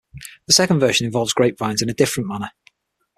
The second version involves grape vines in a different manner.